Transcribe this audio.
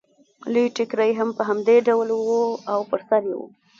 لوی ټکری یې هم په همدې ډول و او پر سر یې و